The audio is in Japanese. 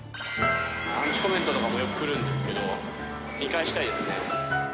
アンチコメントとかもよく来るんですけど見返したいですね。